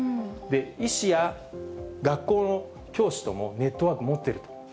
医師や学校の教師ともネットワーク持っていると。